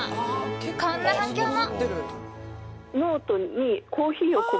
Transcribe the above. こんな反響も。